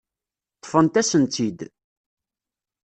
Ṭṭfent-asen-tt-id.